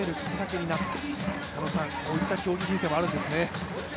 こういった競技人生もあるんですね。